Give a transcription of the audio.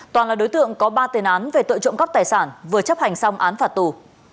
toàn là đối tượng có ba tiền án về tội trộm cắp tài sản vừa chấp hành xong án phạt tù